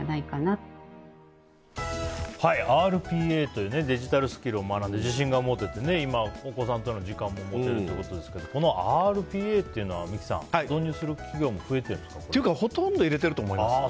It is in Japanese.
ＲＰＡというデジタルスキルを学んで自信が持てて、今はお子さんとの時間も持てるということですけどこのＲＰＡっていうのは三木さん、導入する企業もというかほとんど入れてると思います。